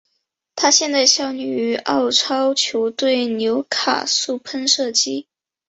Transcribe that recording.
他现在效力于澳超球队纽卡素喷射机。